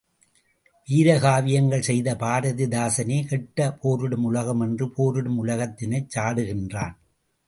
வீரகாவியங்கள் செய்த பாரதிதாசனே கெட்ட போரிடும் உலகம் என்று போரிடும் உலகத்தினைச் சாடுகின்றான்.